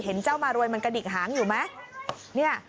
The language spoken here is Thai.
เจ้ามารวยมันกระดิกหางอยู่ไหม